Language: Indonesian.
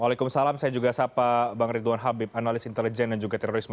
waalaikumsalam saya juga sapa bang ridwan habib analis intelijen dan juga terorisme